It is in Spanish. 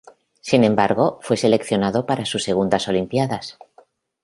Sin embargo, fue seleccionado para sus segundas Olimpiadas.